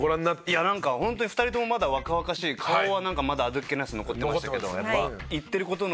いやなんかホントに２人ともまだ若々しい顔はなんかまだあどけなさ残ってましたけどやっぱ。